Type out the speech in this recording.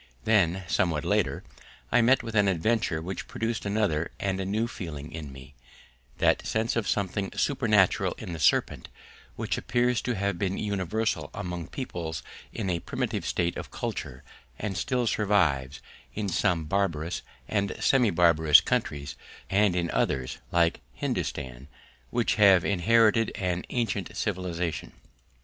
Then, somewhat later, I met with an adventure which produced another and a new feeling in me, that sense of something supernatural in the serpent which appears to have been universal among peoples in a primitive state of culture and still survives in some barbarous or semi barbarous countries, and in others, like Hindustan, which have inherited an ancient civilization.